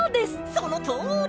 そのとおり！